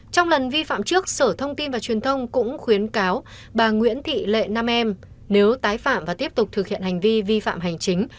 trong lần vi phạm trước sở thông tin và truyền thông cũng khuyến cáo bà nguyễn thị lệ nam em nếu tái phạm và tiếp tục thực hiện hành vi vi phạm hành chính